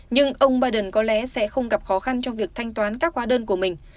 nhưng ông biden có lẽ sẽ không gặp khó khăn trong việc thanh toán các hóa đơn của mình